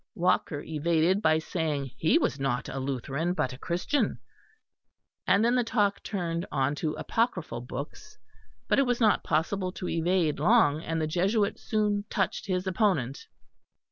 Walker evaded by saying he was not a Lutheran but a Christian; and then the talk turned on to apocryphal books. But it was not possible to evade long, and the Jesuit soon touched his opponent.